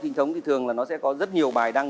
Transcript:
trinh thống thì thường là nó sẽ có rất nhiều bài đăng